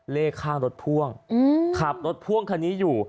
เลขข้างรถพ่วงขับรถพ่วงคันนี้อยู่